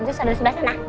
joss ada di sebelah sana